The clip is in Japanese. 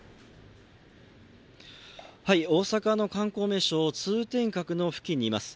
大阪の観光名所・通天閣の付近にいます。